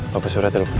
papa surat telepon